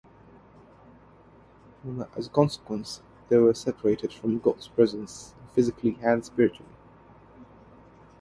As a consequence, they were separated from God's presence physically and spiritually.